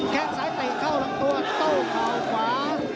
แค่งซ้ายเตะเข้าลำตัวโต้เข่าขวา